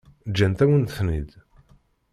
Ǧǧant-awen-tent-id.